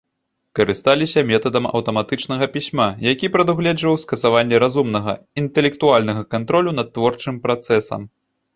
Карысталіся метадам аўтаматычнага пісьма, які прадугледжваў скасаванне разумнага, інтэлектуальнага кантролю над творчым працэсам.